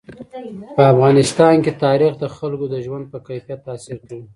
په افغانستان کې تاریخ د خلکو د ژوند په کیفیت تاثیر کوي.